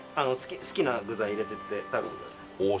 好きな具材入れてって食べてください